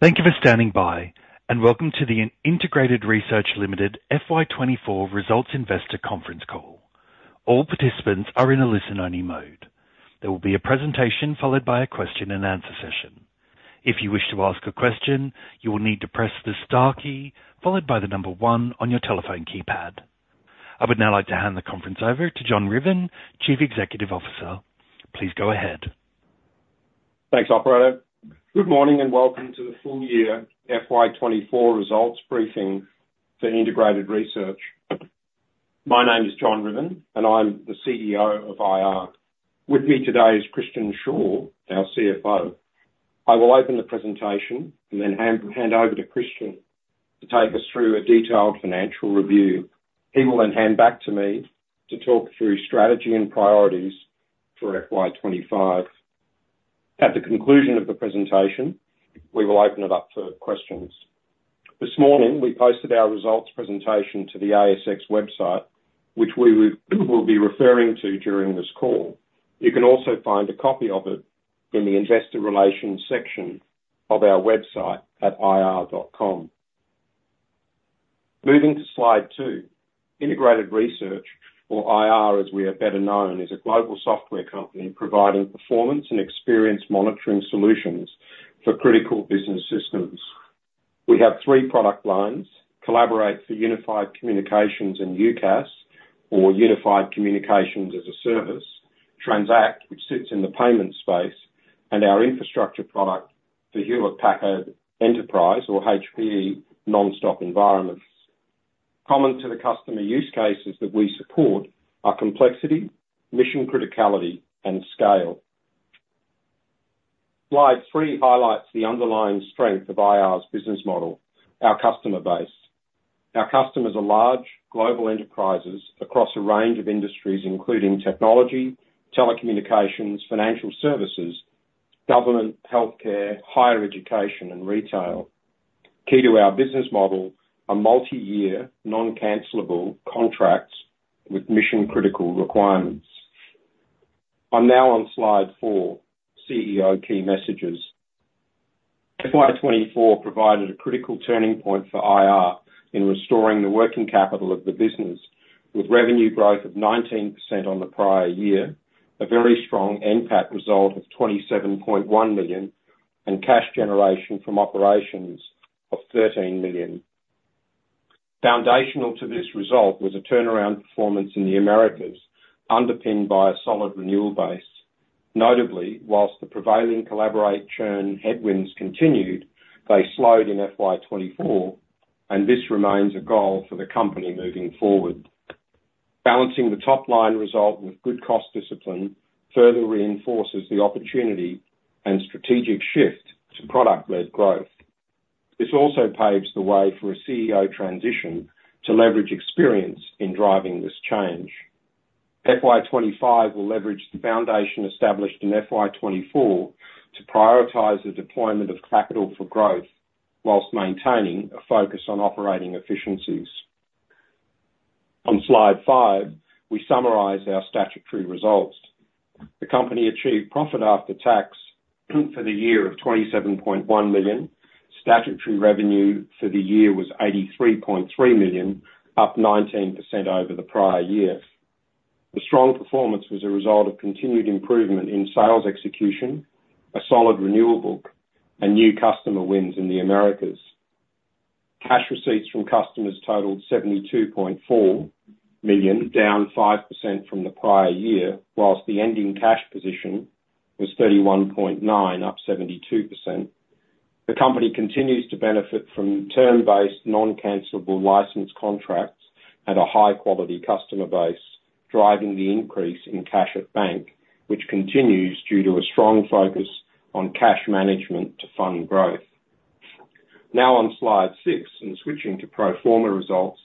Thank you for standing by, and welcome to the Integrated Research Limited FY 2024 results investor conference call. All participants are in a listen-only mode. There will be a presentation followed by a question and answer session. If you wish to ask a question, you will need to press the star key, followed by the number one on your telephone keypad. I would now like to hand the conference over to John Ruthven, Chief Executive Officer. Please go ahead. Thanks, operator. Good morning, and welcome to the full year FY 2024 results briefing for Integrated Research. My name is John Ruthven, and I'm the CEO of IR. With me today is Christian Shaw, our CFO. I will open the presentation and then hand over to Christian to take us through a detailed financial review. He will then hand back to me to talk through strategy and priorities for FY 2025. At the conclusion of the presentation, we will open it up for questions. This morning, we posted our results presentation to the ASX website, which we will be referring to during this call. You can also find a copy of it in the Investor Relations section of our website at ir.com. Moving to Slide two. Integrated Research, or IR, as we are better known, is a global software company providing performance and experience monitoring solutions for critical business systems. We have three product lines: Collaborate for unified communications and UCaaS, or Unified Communications as a Service, Transact, which sits in the payment space, and our Infrastructure product for Hewlett-Packard Enterprise or HPE NonStop environments. Common to the customer use cases that we support are complexity, mission criticality, and scale. Slide three highlights the underlying strength of IR's business model, our customer base. Our customers are large, global enterprises across a range of industries, including technology, telecommunications, financial services, government, healthcare, higher education, and retail. Key to our business model are multiyear, non-cancelable contracts with mission-critical requirements. I'm now on Slide four, CEO Key Messages. FY 2024 provided a critical turning point for IR in restoring the working capital of the business, with revenue growth of 19% on the prior year, a very strong NPAT result of 27.1 million, and cash generation from operations of 13 million. Foundational to this result was a turnaround performance in the Americas, underpinned by a solid renewal base. Notably, while the prevailing Collaborate churn headwinds continued, they slowed in FY 2024, and this remains a goal for the company moving forward. Balancing the top-line result with good cost discipline further reinforces the opportunity and strategic shift to product-led growth. This also paves the way for a CEO transition to leverage experience in driving this change. FY 2025 will leverage the foundation established in FY 2024 to prioritize the deployment of capital for growth while maintaining a focus on operating efficiencies. On Slide five, we summarize our statutory results. The company achieved profit after tax for the year of 27.1 million. Statutory revenue for the year was 83.3 million, up 19% over the prior year. The strong performance was a result of continued improvement in sales execution, a solid renewal book, and new customer wins in the Americas. Cash receipts from customers totaled 72.4 million, down 5% from the prior year, whilst the ending cash position was 31.9 million, up 72%. The company continues to benefit from term-based, non-cancelable license contracts and a high-quality customer base, driving the increase in cash at bank, which continues due to a strong focus on cash management to fund growth. Now on Slide six, and switching to pro forma results,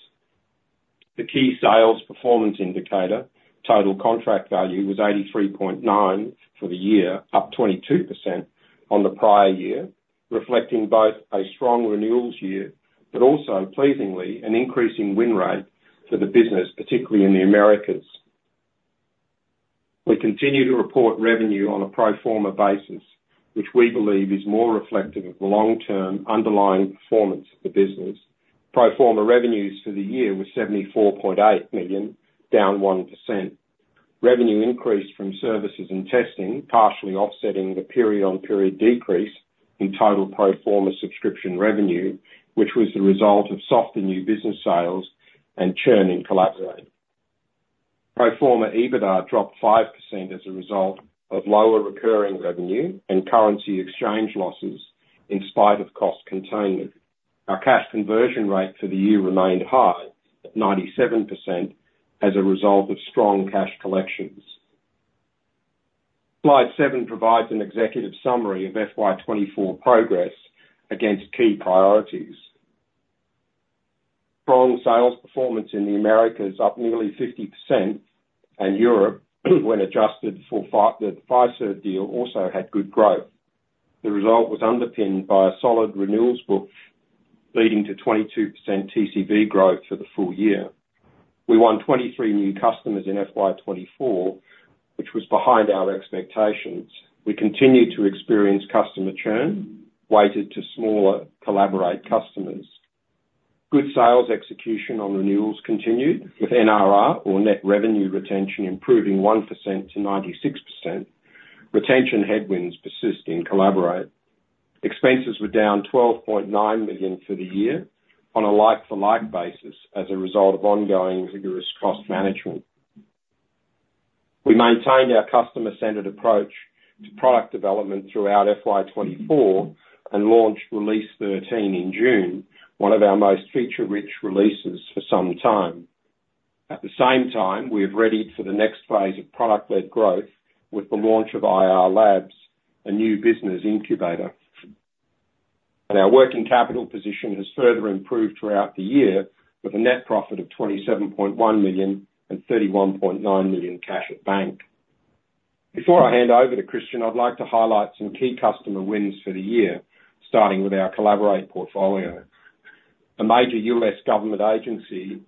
the key sales performance indicator, total contract value, was 83.9 for the year, up 22% on the prior year, reflecting both a strong renewals year, but also pleasingly, an increasing win rate for the business, particularly in the Americas. We continue to report revenue on a pro forma basis, which we believe is more reflective of the long-term underlying performance of the business. Pro forma revenues for the year were 74.8 million, down 1%. Revenue increased from services and testing, partially offsetting the period-on-period decrease in total pro forma subscription revenue, which was the result of softer new business sales and churn in Collaborate. Pro forma EBITDA dropped 5% as a result of lower recurring revenue and currency exchange losses in spite of cost containment. Our cash conversion rate for the year remained high at 97% as a result of strong cash collections. Slide seven provides an executive summary of FY 2024 progress against key priorities. Strong sales performance in the Americas, up nearly 50%, and Europe, when adjusted for the Fiserv deal, also had good growth. The result was underpinned by a solid renewals book leading to 22% TCV growth for the full year. We won 23 new customers in FY 2024, which was behind our expectations. We continued to experience customer churn, weighted to smaller Collaborate customers. Good sales execution on renewals continued, with NRR or net revenue retention improving 1% to 96%. Retention headwinds persist in Collaborate. Expenses were down 12.9 million for the year on a like-for-like basis as a result of ongoing rigorous cost management. We maintained our customer-centered approach to product development throughout FY 2024 and launched Release 13 in June, one of our most feature-rich releases for some time. At the same time, we have readied for the next phase of product-led growth with the launch of IR Labs, a new business incubator, and our working capital position has further improved throughout the year, with a net profit of 27.1 million and 31.9 million cash at bank. Before I hand over to Christian, I'd like to highlight some key customer wins for the year, starting with our Collaborate portfolio. A major U.S. government agency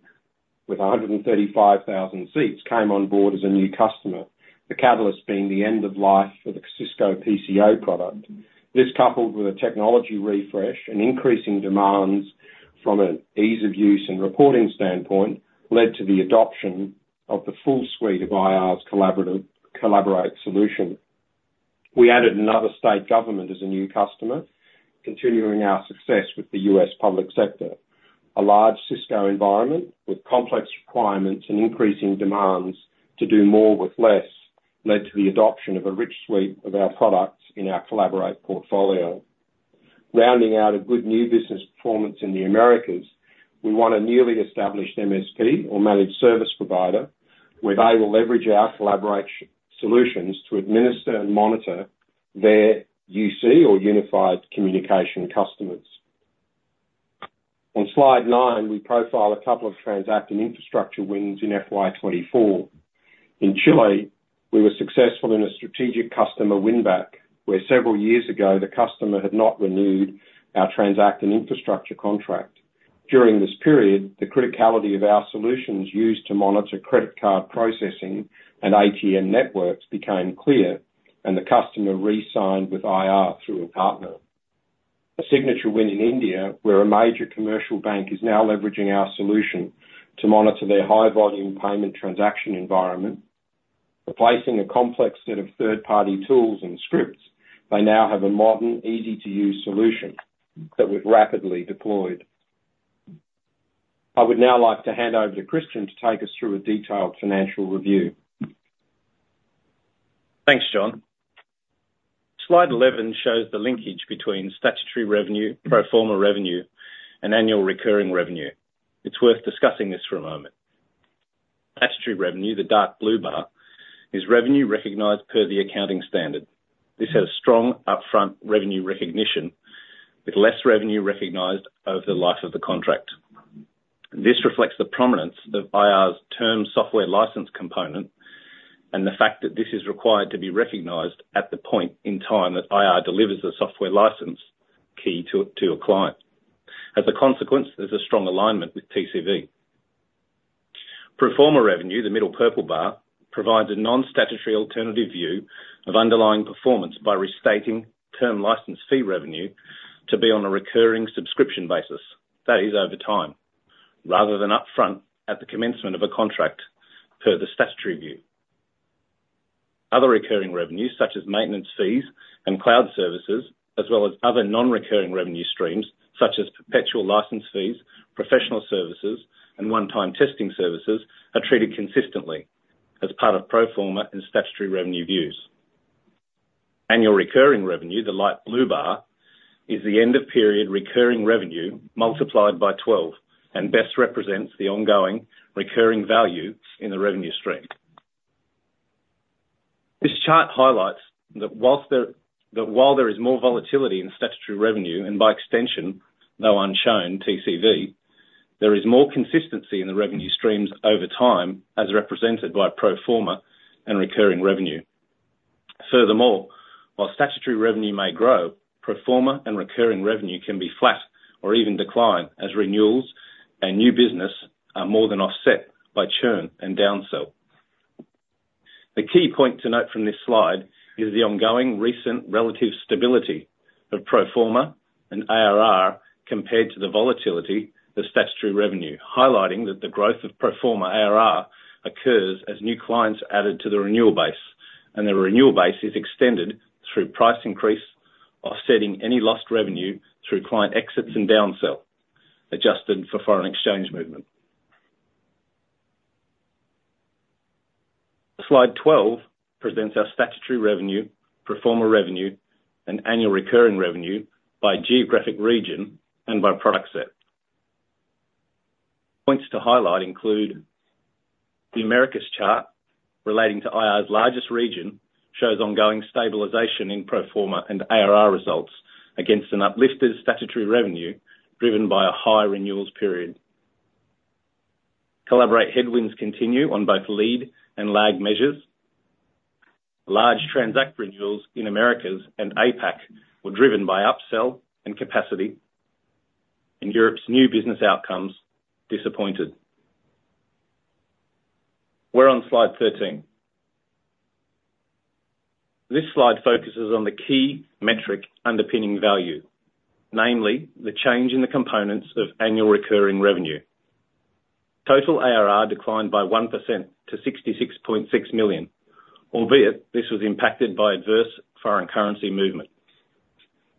with 135,000 seats came on board as a new customer, the catalyst being the end of life for the Cisco PCA product. This, coupled with a technology refresh and increasing demands from an ease of use and reporting standpoint, led to the adoption of the full suite of IR's Collaborate solution. We added another state government as a new customer, continuing our success with the U.S. public sector. A large Cisco environment with complex requirements and increasing demands to do more with less led to the adoption of a rich suite of our products in our Collaborate portfolio. Rounding out a good new business performance in the Americas, we won a newly established MSP, or managed service provider, where they will leverage our Collaborate solutions to administer and monitor their UC, or Unified Communications, customers. On Slide nine, we profile a couple of Transact and Infrastructure wins in FY 2024. In Chile, we were successful in a strategic customer win back, where several years ago, the customer had not renewed our Transact and Infrastructure contract. During this period, the criticality of our solutions used to monitor credit card processing and ATM networks became clear, and the customer re-signed with IR through a partner. A signature win in India, where a major commercial bank is now leveraging our solution to monitor their high-volume payment transaction environment. Replacing a complex set of third-party tools and scripts, they now have a modern, easy-to-use solution that we've rapidly deployed. I would now like to hand over to Christian to take us through a detailed financial review. Thanks, John. Slide 11 shows the linkage between statutory revenue, pro forma revenue, and annual recurring revenue. It's worth discussing this for a moment. Statutory revenue, the dark blue bar, is revenue recognized per the accounting standard. This has strong upfront revenue recognition, with less revenue recognized over the life of the contract. This reflects the prominence of IR's term software license component and the fact that this is required to be recognized at the point in time that IR delivers the software license key to a client. As a consequence, there's a strong alignment with TCV. Pro forma revenue, the middle purple bar, provides a non-statutory alternative view of underlying performance by restating term license fee revenue to be on a recurring subscription basis, that is, over time, rather than upfront at the commencement of a contract per the statutory view. Other recurring revenues, such as maintenance fees and cloud services, as well as other non-recurring revenue streams, such as perpetual license fees, professional services, and one-time testing services, are treated consistently as part of pro forma and statutory revenue views. Annual recurring revenue, the light blue bar, is the end-of-period recurring revenue multiplied by twelve and best represents the ongoing recurring value in the revenue stream. This chart highlights that while there is more volatility in statutory revenue, and by extension, though unshown, TCV, there is more consistency in the revenue streams over time, as represented by pro forma and recurring revenue. Furthermore, while statutory revenue may grow, pro forma and recurring revenue can be flat or even decline, as renewals and new business are more than offset by churn and downsell. The key point to note from this slide is the ongoing recent relative stability of pro forma and ARR compared to the volatility of statutory revenue, highlighting that the growth of pro forma ARR occurs as new clients are added to the renewal base, and the renewal base is extended through price increase, offsetting any lost revenue through client exits and downsell, adjusted for foreign exchange movement. Slide 12 presents our statutory revenue, pro forma revenue, and annual recurring revenue by geographic region and by product set. Points to highlight include: the Americas chart, relating to IR's largest region, shows ongoing stabilization in pro forma and ARR results against an uplifted statutory revenue, driven by a high renewals period. Collaborate headwinds continue on both lead and lag measures. Large Transact renewals in Americas and APAC were driven by upsell and capacity, and Europe's new business outcomes disappointed. We're on slide 13. This slide focuses on the key metric underpinning value, namely, the change in the components of annual recurring revenue. Total ARR declined by 1% to 66.6 million, albeit this was impacted by adverse foreign currency movement.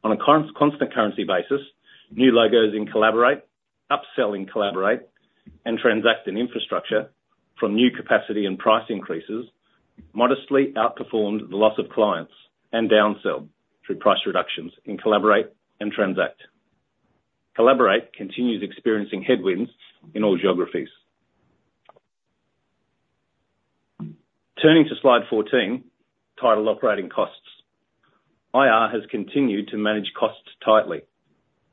On a constant currency basis, new logos in Collaborate, upselling Collaborate, and Transact and Infrastructure from new capacity and price increases, modestly outperformed the loss of clients and downsell through price reductions in Collaborate and Transact. Collaborate continues experiencing headwinds in all geographies. Turning to slide 14, titled Operating Costs. IR has continued to manage costs tightly.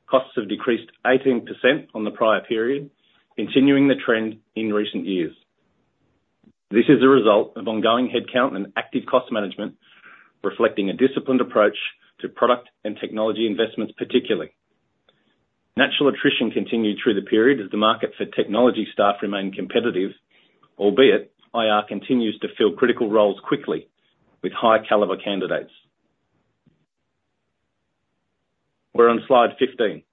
Costs have decreased 18% on the prior period, continuing the trend in recent years. This is a result of ongoing headcount and active cost management, reflecting a disciplined approach to product and technology investments, particularly. Natural attrition continued through the period as the market for technology staff remained competitive, albeit IR continues to fill critical roles quickly with high caliber candidates. We're on slide 15.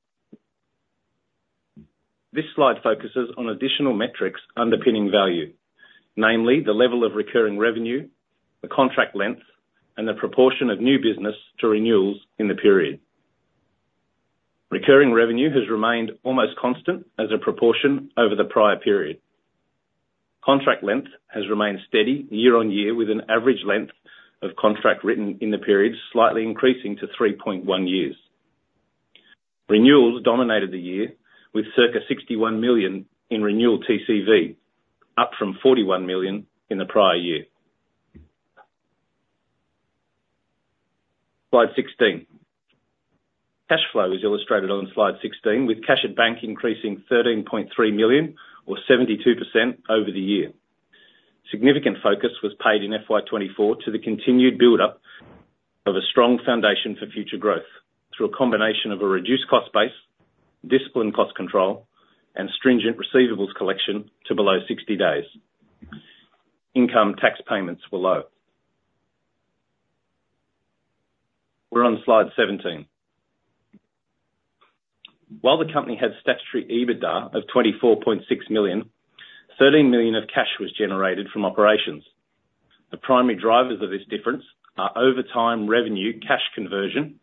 This slide focuses on additional metrics underpinning value, namely, the level of recurring revenue, the contract length, and the proportion of new business to renewals in the period. Recurring revenue has remained almost constant as a proportion over the prior period. Contract length has remained steady year-on-year, with an average length of contract written in the period, slightly increasing to 3.1 years. Renewals dominated the year with circa 61 million in renewal TCV, up from 41 million in the prior year. Slide 16. Cash flow is illustrated on slide 16, with cash at bank increasing 13.3 million or 72% over the year. Significant focus was paid in FY 2024 to the continued buildup of a strong foundation for future growth, through a combination of a reduced cost base, disciplined cost control, and stringent receivables collection to below 60 days. Income tax payments were low. We're on slide 17. While the company has statutory EBITDA of 24.6 million, 13 million of cash was generated from operations. The primary drivers of this difference are over time revenue, cash conversion,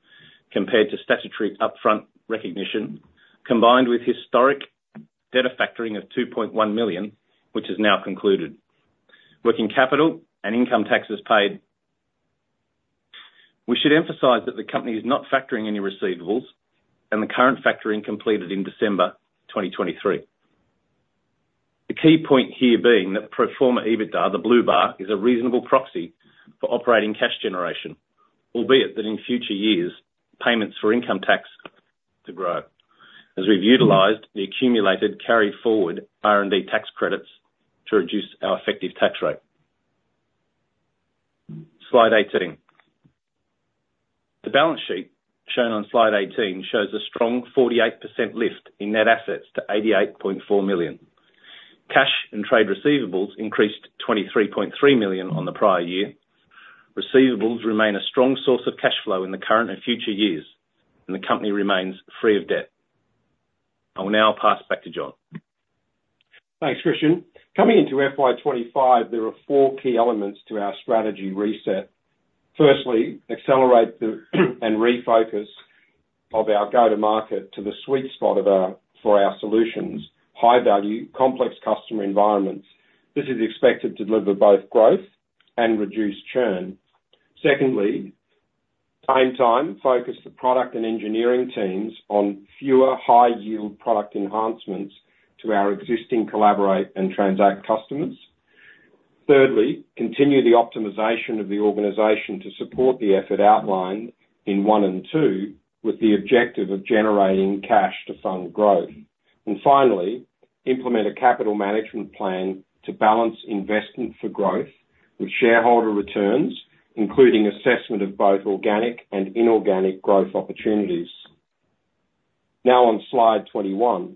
compared to statutory upfront recognition, combined with historic debt factoring of 2.1 million, which is now concluded. Working capital and income taxes paid. We should emphasize that the company is not factoring any receivables and the current factoring completed in December 2023. The key point here being that Pro Forma EBITDA, the blue bar, is a reasonable proxy for operating cash generation, albeit that in future years, payments for income tax to grow. As we've utilized the accumulated carry forward R&D tax credits to reduce our effective tax rate. Slide 18. The balance sheet shown on Slide 18 shows a strong 48% lift in net assets to 88.4 million. Cash and trade receivables increased 23.3 million on the prior year. Receivables remain a strong source of cash flow in the current and future years, and the company remains free of debt. I will now pass back to John. Thanks, Christian. Coming into FY 2025, there are four key elements to our strategy reset. Firstly, accelerate and refocus our go-to-market to the sweet spot of our solutions for high value complex customer environments. This is expected to deliver both growth and reduce churn. Secondly, at the same time, focus the product and engineering teams on fewer high yield product enhancements to our existing Collaborate and Transact customers. Thirdly, continue the optimization of the organization to support the effort outlined in one and two, with the objective of generating cash to fund growth. And finally, implement a capital management plan to balance investment for growth with shareholder returns, including assessment of both organic and inorganic growth opportunities. Now on Slide 21.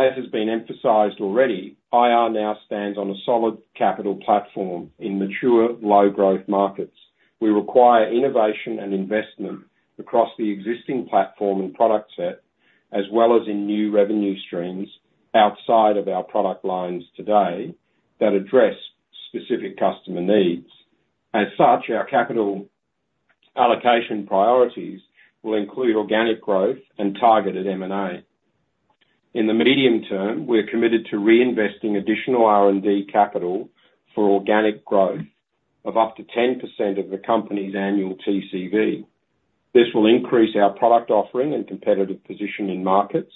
As has been emphasized already, IR now stands on a solid capital platform in mature, low growth markets. We require innovation and investment across the existing platform and product set, as well as in new revenue streams outside of our product lines today, that address specific customer needs. As such, our capital allocation priorities will include organic growth and targeted M&A. In the medium term, we're committed to reinvesting additional R&D capital for organic growth of up to 10% of the company's annual TCV. This will increase our product offering and competitive position in markets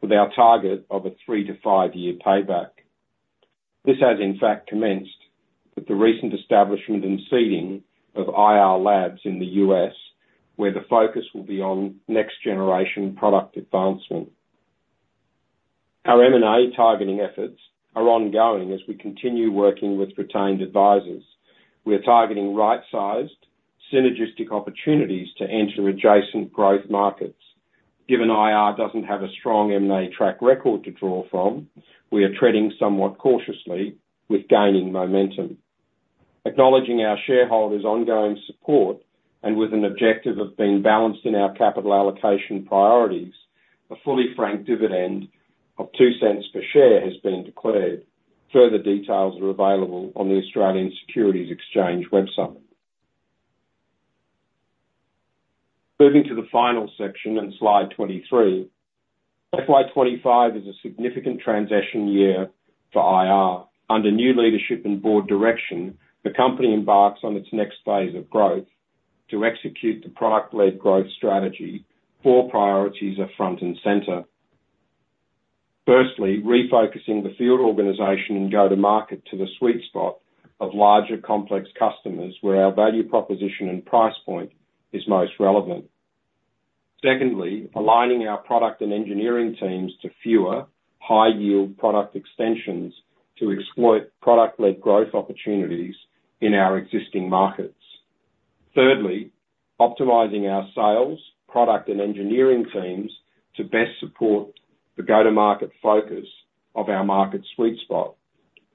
with our target of a three- to five-year payback... This has, in fact, commenced with the recent establishment and seeding of IR Labs in the U.S., where the focus will be on next generation product advancement. Our M&A targeting efforts are ongoing as we continue working with retained advisors. We are targeting right-sized, synergistic opportunities to enter adjacent growth markets. Given IR doesn't have a strong M&A track record to draw from, we are treading somewhat cautiously with gaining momentum. Acknowledging our shareholders' ongoing support, and with an objective of being balanced in our capital allocation priorities, a fully franked dividend of 0.02 per share has been declared. Further details are available on the Australian Securities Exchange website. Moving to the final section on slide 23. FY 2025 is a significant transition year for IR. Under new leadership and board direction, the company embarks on its next phase of growth to execute the product-led growth strategy. Four priorities are front and center: firstly, refocusing the field organization and go-to-market to the sweet spot of larger, complex customers, where our value proposition and price point is most relevant. Secondly, aligning our product and engineering teams to fewer, high-yield product extensions to exploit product-led growth opportunities in our existing markets. Thirdly, optimizing our sales, product, and engineering teams to best support the go-to-market focus of our market sweet spot,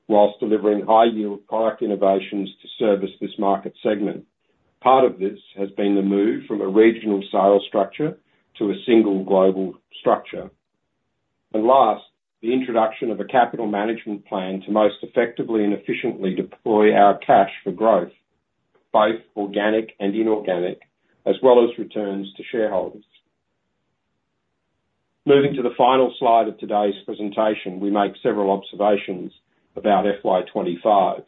while delivering high-yield product innovations to service this market segment. Part of this has been the move from a regional sales structure to a single global structure. Last, the introduction of a capital management plan to most effectively and efficiently deploy our cash for growth, both organic and inorganic, as well as returns to shareholders. Moving to the final slide of today's presentation, we make several observations about FY 2025.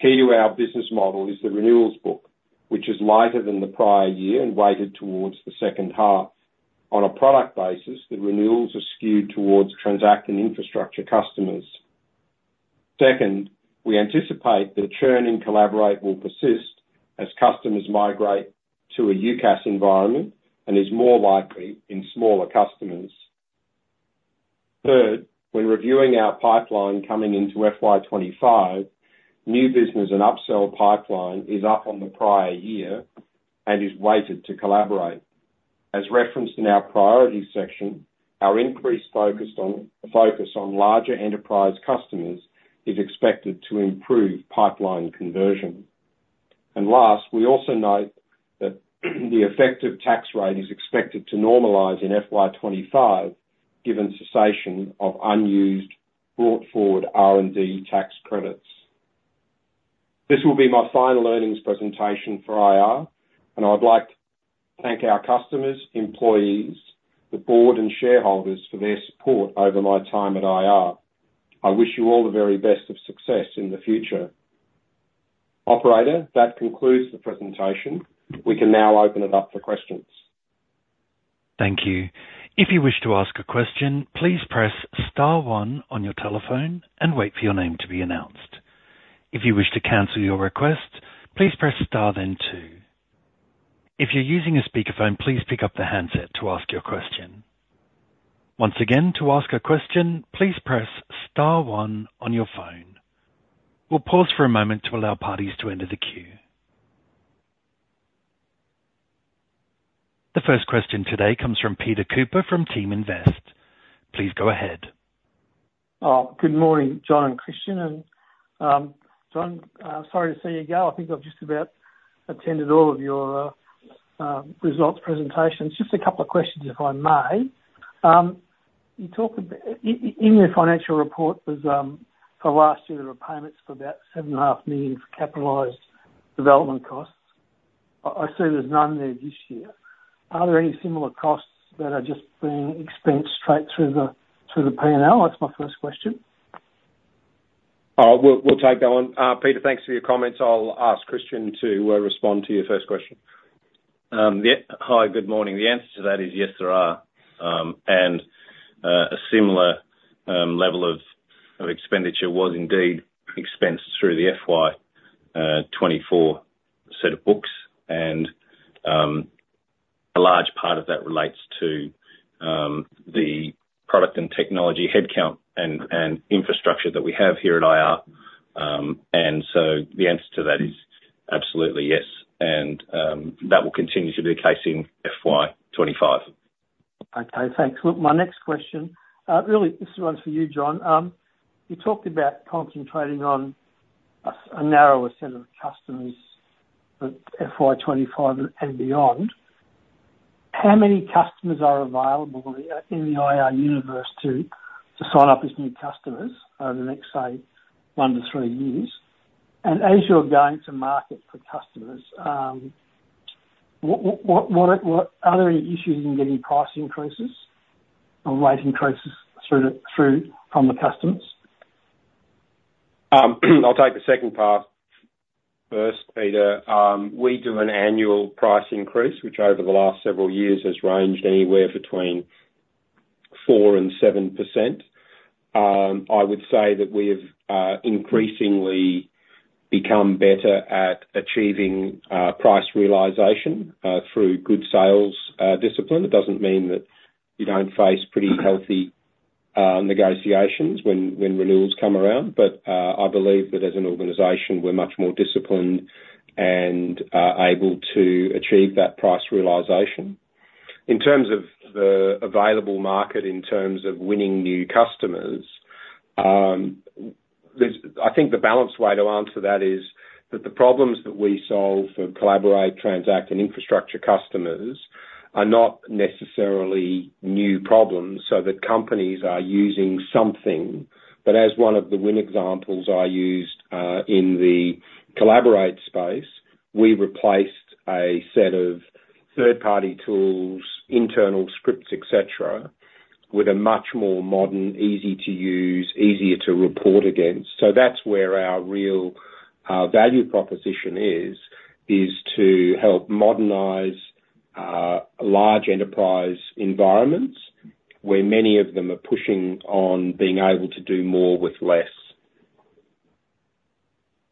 Key to our business model is the renewals book, which is lighter than the prior year and weighted towards the second half. On a product basis, the renewals are skewed towards Transact Infrastructure customers. Second, we anticipate that the churn in Collaborate will persist as customers migrate to a UCaaS environment, and is more likely in smaller customers. Third, when reviewing our pipeline coming into FY 2025, new business and upsell pipeline is up on the prior year and is weighted to Collaborate. As referenced in our priority section, our increased focus on larger enterprise customers is expected to improve pipeline conversion. And last, we also note that the effective tax rate is expected to normalize in FY 2025, given cessation of unused brought forward R&D tax credits. This will be my final earnings presentation for IR, and I'd like to thank our customers, employees, the board, and shareholders for their support over my time at IR. I wish you all the very best of success in the future. Operator, that concludes the presentation. We can now open it up for questions. Thank you. If you wish to ask a question, please press star one on your telephone and wait for your name to be announced. If you wish to cancel your request, please press star, then two. If you're using a speakerphone, please pick up the handset to ask your question. Once again, to ask a question, please press star one on your phone. We'll pause for a moment to allow parties to enter the queue. The first question today comes from Peter Cooper from Teaminvest. Please go ahead. Good morning, John and Christian. John, sorry to see you go. I think I've just about attended all of your results presentations. Just a couple of questions, if I may. You talked about in your financial report, there's for last year, there were payments for about 7.5 million for capitalized development costs. I see there's none there this year. Are there any similar costs that are just being expensed straight through the P&L? That's my first question. We'll take that one. Peter, thanks for your comments. I'll ask Christian to respond to your first question. Yeah. Hi, good morning. The answer to that is yes, there are. And a similar level of expenditure was indeed expensed through the FY 2024 set of books, and a large part of that relates to the product and technology headcount and infrastructure that we have here at IR. And so the answer to that is absolutely yes, and that will continue to be the case in FY 2025. Okay, thanks. Look, my next question, really this one's for you, John. You talked about concentrating on a narrower set of customers for FY 2025 and beyond. How many customers are available in the IR universe to sign up as new customers over the next, say, one to three years? And as you're going to market for customers, are there any issues in getting price increases or rate increases through from the customers? I'll take the second part. First, Peter, we do an annual price increase, which over the last several years has ranged anywhere between 4% and 7%. I would say that we have increasingly become better at achieving price realization through good sales discipline. It doesn't mean that you don't face pretty healthy negotiations when renewals come around, but I believe that as an organization, we're much more disciplined and able to achieve that price realization. In terms of the available market, in terms of winning new customers, I think the balanced way to answer that is that the problems that we solve for Collaborate, Transact, and Infrastructure customers are not necessarily new problems, so the companies are using something. But as one of the win examples I used, in the Collaborate space, we replaced a set of third-party tools, internal scripts, et cetera, with a much more modern, easy to use, easier to report against. So that's where our real value proposition is to help modernize large enterprise environments, where many of them are pushing on being able to do more with less.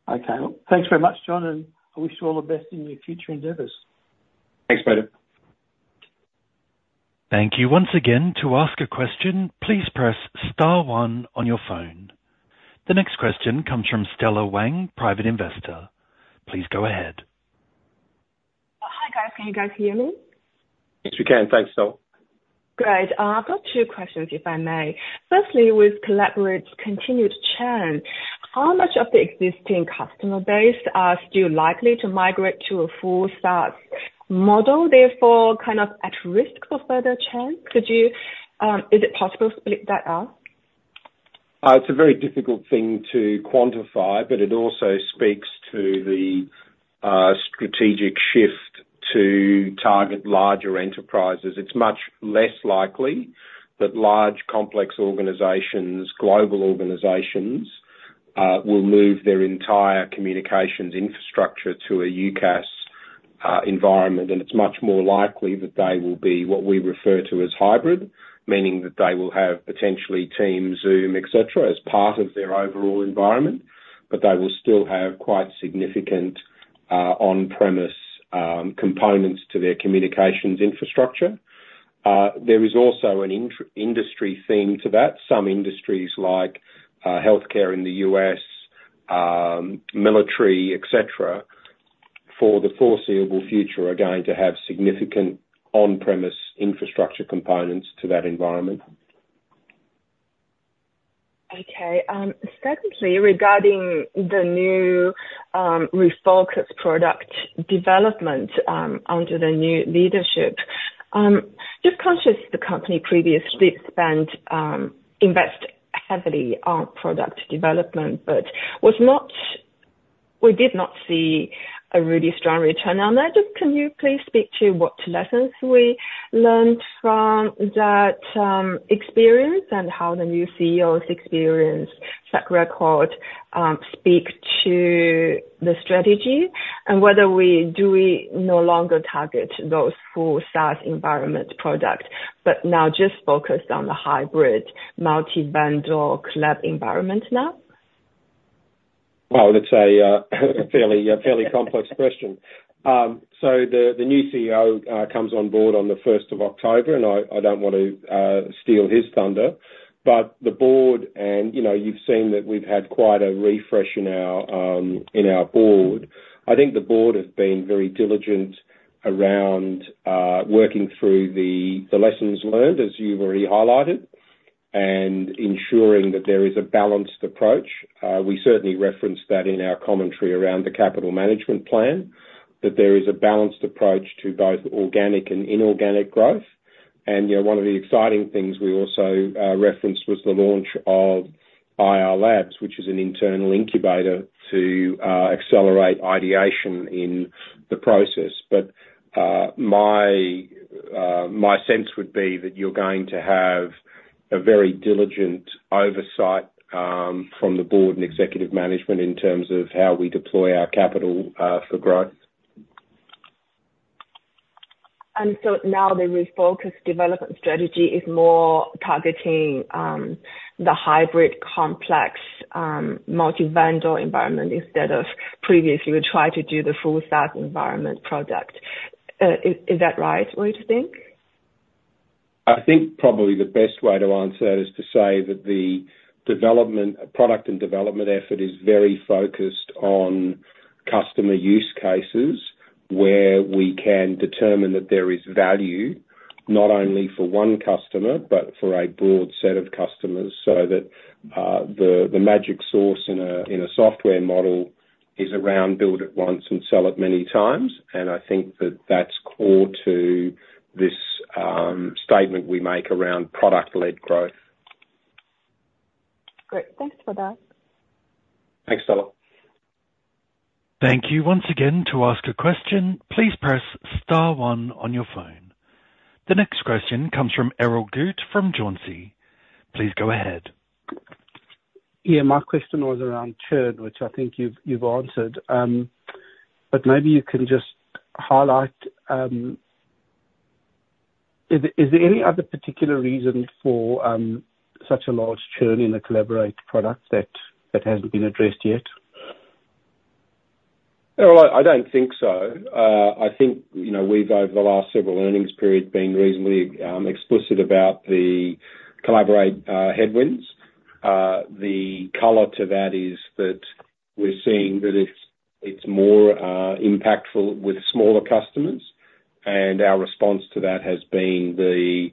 Okay. Well, thanks very much, John, and I wish you all the best in your future endeavors. Thanks, Peter. Thank you once again. To ask a question, please press star one on your phone. The next question comes from Stella Wang, Private investor. Please go ahead. Hi, guys. Can you guys hear me? Yes, we can. Thanks, Stella. Great. I've got two questions, if I may. Firstly, with Collaborate's continued churn, how much of the existing customer base are still likely to migrate to a full SaaS model, therefore, kind of at risk for further churn? Is it possible to split that out? It's a very difficult thing to quantify, but it also speaks to the strategic shift to target larger enterprises. It's much less likely that large, complex organizations, global organizations, will move their entire communications infrastructure to a UCaaS environment, and it's much more likely that they will be what we refer to as hybrid. Meaning that they will have potentially Teams, Zoom, et cetera, as part of their overall environment, but they will still have quite significant on-premise components to their communications Infrastructure. There is also an industry theme to that. Some industries like healthcare in the U.S., military, et cetera, for the foreseeable future, are going to have significant on-premise Infrastructure components to that environment. Okay. Secondly, regarding the new refocused product development under the new leadership, just conscious the company previously spent invest heavily on product development, but was not. We did not see a really strong return on that. Just can you please speak to what lessons we learned from that experience, and how the new CEO's experience, track record speak to the strategy? And whether we do we no longer target those full SaaS environment product, but now just focus on the hybrid multi-vendor collab environment now? It's a fairly complex question. The new CEO comes on board on the first of October, and I don't want to steal his thunder, but the board and, you know, you've seen that we've had quite a refresh in our board. I think the board has been very diligent around working through the lessons learned, as you've already highlighted, and ensuring that there is a balanced approach. We certainly referenced that in our commentary around the capital management plan, that there is a balanced approach to both organic and inorganic growth. You know, one of the exciting things we also referenced was the launch of IR Labs, which is an internal incubator to accelerate ideation in the process. But, my sense would be that you're going to have a very diligent oversight from the board and executive management in terms of how we deploy our capital for growth. And so now the refocused development strategy is more targeting the hybrid complex multi-vendor environment, instead of previously we try to do the full SaaS environment product. Is that right way to think? I think probably the best way to answer that is to say that the development, product and development effort is very focused on customer use cases, where we can determine that there is value not only for one customer, but for a broad set of customers, so that the magic sauce in a software model is around build it once and sell it many times, and I think that that's core to this statement we make around product-led growth. Great. Thanks for that. Thanks, Stella. Thank you once again. To ask a question, please press star one on your phone. The next question comes from Errol Goot from Jauncey. Please go ahead. Yeah, my question was around churn, which I think you've answered, but maybe you can just highlight... Is there any other particular reason for such a large churn in the Collaborate product that hasn't been addressed yet? I don't think so. I think, you know, we've over the last several earnings period been reasonably explicit about the Collaborate headwinds. The color to that is that we're seeing that it's more impactful with smaller customers, and our response to that has been the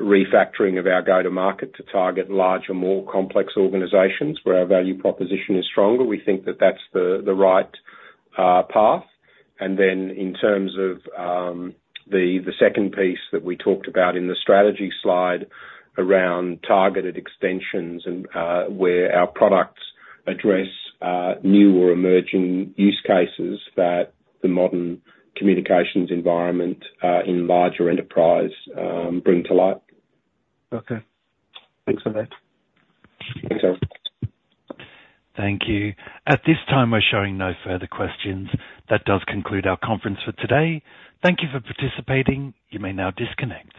refactoring of our go-to-market to target larger, more complex organizations, where our value proposition is stronger. We think that that's the right path. And then in terms of the second piece that we talked about in the strategy slide around targeted extensions and where our products address new or emerging use cases, that the modern communications environment in larger enterprise bring to light. Okay. Thanks for that. Thanks, Errol. Thank you. At this time, we're showing no further questions. That does conclude our conference for today. Thank you for participating. You may now disconnect.